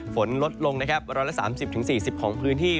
ฝนลดลงนะครับ๑๓๐๔๐ของพื้นที่